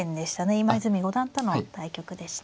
今泉五段との対局でした。